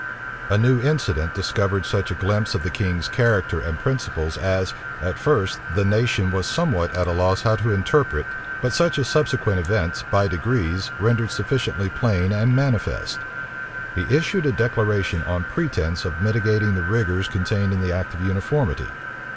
A new incident discovered such a glimpse of the king's character and principles as, at first, the nation was somewhat at a loss how to interpret, but such as subsequent events, by degrees, rendered sufficiently plain and manifest. He issued a declaration on pretence of mitigating the rigors contained in the act of uniformity.